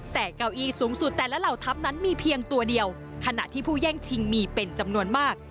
แต่เก้าอี้สูงสุดแต่ละเหล่าทัพนั้นมีเพียงตัวเดียวขณะที่ผู้แย่งชิงมีเป็นจำนวนมาก